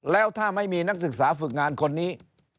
แล้วถ้าไม่มีนักศึกษาฝึกงานคนนี้